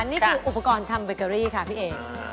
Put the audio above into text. นี่คืออุปกรณ์ทำเบเกอรี่ค่ะพี่เอก